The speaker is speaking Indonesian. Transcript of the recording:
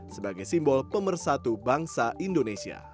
sebagai simbol pemersatu bangsa indonesia